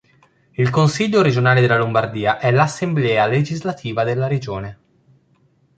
Il Consiglio regionale della Lombardia è l'assemblea legislativa della regione.